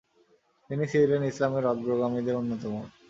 তিনি ছিলেন ইসলামের অগ্রগামীদের অন্যতম।